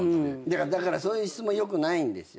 だからそういう質問よくないんですよ。